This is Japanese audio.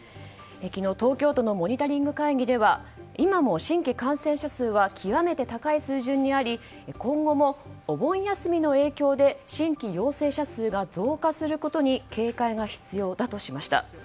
昨日、東京都のモニタリング会議では今も新規感染者数は極めて高い水準にあり今後もお盆休みの影響で新規陽性者数が増加することに警戒が必要だとしました。